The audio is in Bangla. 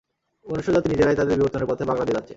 মনুষ্যজাতি নিজেরাই তাদের বিবর্তনের পথে বাগড়া দিয়ে যাচ্ছে!